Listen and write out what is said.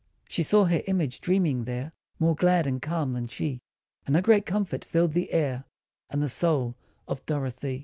She saw her image dreaming there, More glad and calm than she, And a great comfort filled the air And the soul of Dorothy.